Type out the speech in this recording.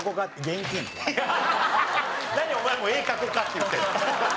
何お前も「絵描こうか？」って言って。